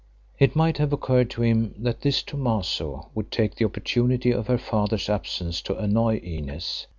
It might have occurred to him that this Thomaso would take the opportunity of her father's absence to annoy Inez.